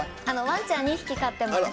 ワンちゃん２匹飼ってます。